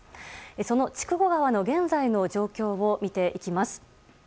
その筑後川の現在の状況を見ていきます。